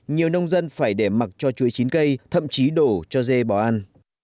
nhiều nông dân phải để mặc cho chuối chín cây thậm chí đổ cho dê bỏ ăn